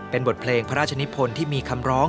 เป็นบทเพลงพระราชนิพลที่มีคำร้อง